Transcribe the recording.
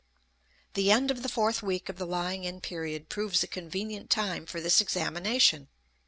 The end of the fourth week of the lying in period proves a convenient time for this examination.